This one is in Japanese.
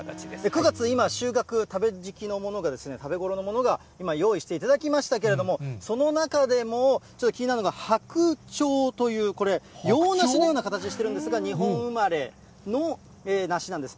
９月、今、収穫、食べ時期のものが、食べ頃のものが今、用意していただきましたけれども、その中でもちょっと気になるのが白鳥という、これ、洋梨のような形をしてるんですが、日本生まれの梨なんです。